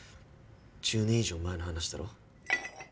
１０年以上前の話だろ？